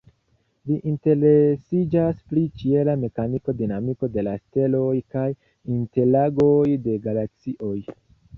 Li interesiĝas pri ĉiela mekaniko, dinamiko de la steloj kaj interagoj de galaksioj.